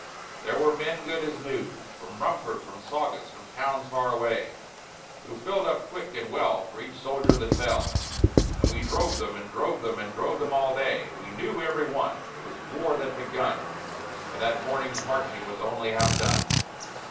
There were men good as new, From Rumford, from Saugus, from towns far away, Who filled up quick and well for each soldier that fell; And we drove them, and drove them, and drove them, all day. We knew, every one, it was war that begun, When that morning's marching was only half done.